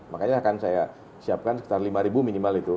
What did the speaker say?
makanya akan saya siapkan sekitar lima minimal itu